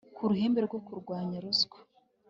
kuruhembe rwo kurwanya ruswa